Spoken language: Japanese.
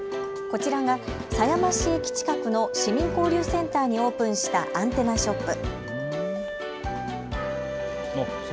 こちらが狭山市駅近くの市民交流センターにオープンしたアンテナショップ。